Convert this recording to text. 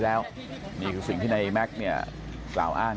ตรของหอพักที่อยู่ในเหตุการณ์เมื่อวานนี้ตอนค่ำบอกให้ช่วยเรียกตำรวจให้หน่อย